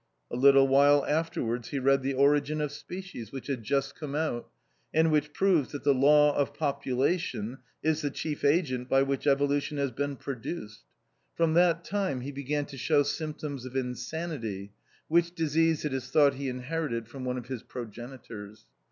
A little while afterwards he read The Origin of Species, which had just come out, and which proves that the Law of Population is the chief agent by which Evolution has been produced. From that THE OUTCAST. 5 time he b.egan to show symptoms of in sanity — which disease it is thought he inherited from one of his progenitors.